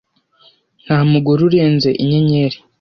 nta mugore urenze inyenyeri